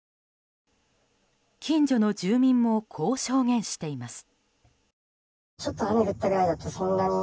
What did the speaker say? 近所の住民もこう証言しています。